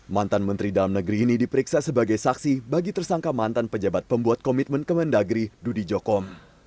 mantan menteri dalam negeri ini diperiksa sebagai saksi bagi tersangka mantan pejabat pembuat komitmen kemendagri dudi jokom